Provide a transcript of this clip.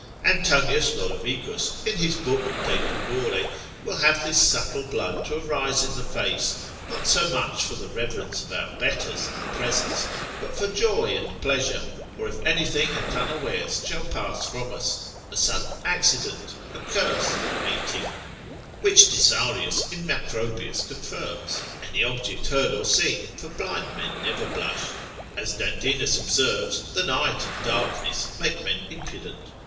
Anthonius Lodovicus, in his book de pudore, will have this subtle blood to arise in the face, not so much for the reverence of our betters in presence, but for joy and pleasure, or if anything at unawares shall pass from us, a sudden accident, occurse, or meeting: (which Disarius in Macrobius confirms) any object heard or seen, for blind men never blush, as Dandinus observes, the night and darkness make men impudent.